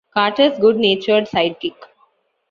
Carter's good-natured sidekick.